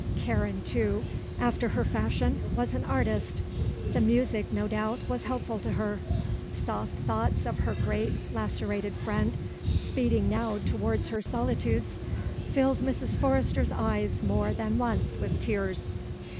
Karen, too, after her fashion, was an artist. The music, no doubt, was helpful to her. Soft thoughts of her great, lacerated friend, speeding now towards her solitudes, filled Mrs. Forrester's eyes more than once with tears.